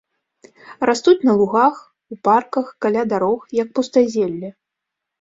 Растуць на лугах, у парках, каля дарог, як пустазелле.